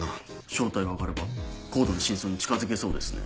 正体が分かればＣＯＤＥの真相に近づけそうですね。